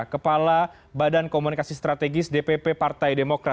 kepala badan komunikasi strategis dpp partai demokrat